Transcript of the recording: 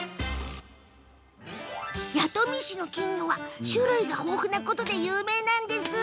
弥富市の金魚は種類が豊富なことで有名なんです。